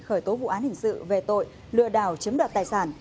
khởi tố vụ án hình sự về tội lừa đảo chiếm đoạt tài sản